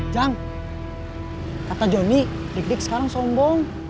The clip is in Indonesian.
jang kata johnny dik dik sekarang sombong